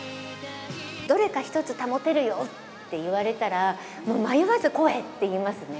どれか一つ保てるよって言われたら、もう迷わず声って言いますね。